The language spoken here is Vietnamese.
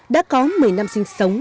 đã có một mươi năm sinh sống